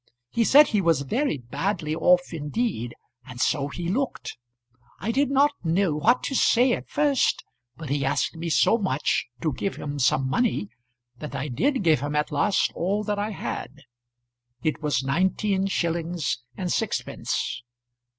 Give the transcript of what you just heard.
He said he was very badly off indeed, and so he looked. I did not know what to say at first, but he asked me so much to give him some money, that I did give him at last all that I had. It was nineteen shillings and sixpence.